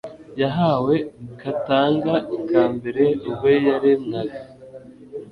yahawe katanga ka mbere ubwo yaremwaga